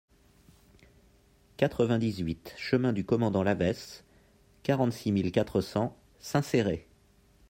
quatre-vingt-dix-huit chemin du Commandant Lavaysse, quarante-six mille quatre cents Saint-Céré